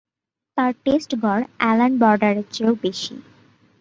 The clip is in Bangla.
তার টেস্ট গড় অ্যালান বর্ডারের চেয়েও বেশি।